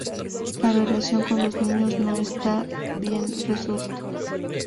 La relación con los niños no está bien resuelto.